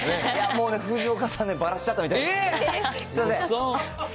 もうね、藤岡さん、ばらしちゃったみたい、すみません。